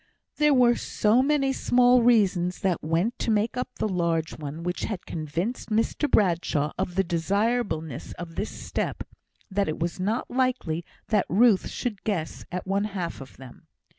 There were so many small reasons that went to make up the large one which had convinced Mr Bradshaw of the desirableness of this step, that it was not likely that Ruth should guess at one half of them.